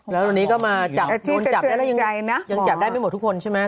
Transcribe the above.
แล้ววันนี้ก็มาจับโดนจับได้แล้วยังจับได้ไม่หมดทุกคนใช่ไหม